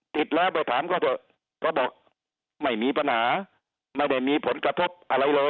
ติดแล้วไปถามเขาเถอะเขาบอกไม่มีปัญหาไม่ได้มีผลกระทบอะไรเลย